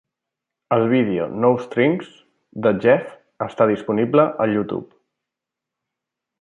El vídeo "No Strings" de Jeff està disponible al YouTube.